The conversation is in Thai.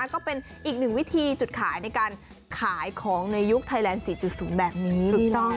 ก็เป็นอีกหนึ่งวิธีจุดขายในการขายของในยุคไทยแลนด์๔๐แบบนี้